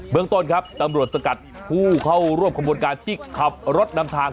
เมืองต้นครับตำรวจสกัดผู้เข้าร่วมขบวนการที่ขับรถนำทาง